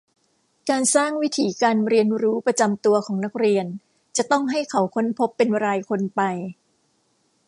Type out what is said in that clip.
การสร้างวิถีการเรียนรู้ประจำตัวของนักเรียน จะต้องให้เขาค้นพบเป็นรายคนไป